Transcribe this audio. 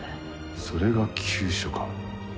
それが急所か。